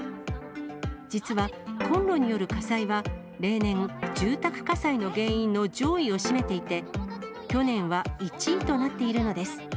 実はコンロによる火災は、例年、住宅火災の原因の上位を占めていて、去年は１位となっているのです。